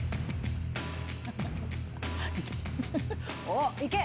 「おっ！いけ！」